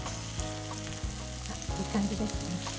いい感じですね。